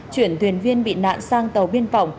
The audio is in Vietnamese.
chuyển thuyền viên bị nạn sang tàu biên phòng